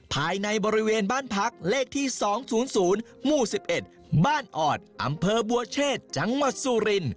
ภายในบริเวณบ้านพักเลขที่สองศูนย์ศูนย์มู่สิบเอ็ดบ้านออดอำเภอบัวเชษจังหวัดซูริน